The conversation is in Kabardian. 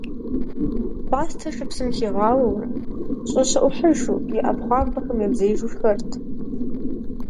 Пӏастэр шыпсым хигъауэурэ, щӏэщэӏухьыжу, и ӏэпхъуамбэхэм ебзеижу шхэрт.